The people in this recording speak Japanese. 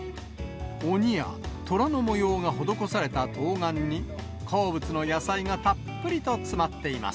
鬼や虎の模様が施されたトウガンに、好物の野菜がたっぷりと詰まっています。